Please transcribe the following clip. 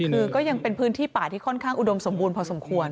คือก็ยังเป็นพื้นที่ป่าที่ค่อนข้างอุดมสมบูรณ์พอสมควร